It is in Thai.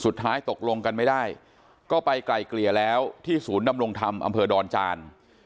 สุดท้ายตกลงกันไม่ได้ก็ไปไกลเกลี่ยแล้วที่ศูนย์ดำรงธรรมอำเภอดอนจาน